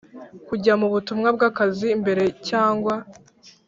Kujya mu butumwa bw akazi imbere cyangwa